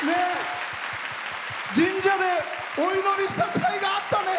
神社でお祈りしたかいがあったね。